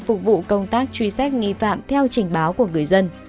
phục vụ công tác truy xét nghi phạm theo trình báo của người dân